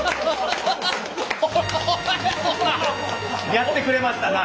やってくれましたな！